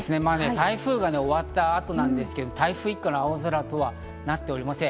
台風が終わった後なんですけど、台風一過の青空とはなっておりません。